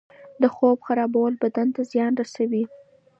د خوب خرابول بدن ته زیان رسوي.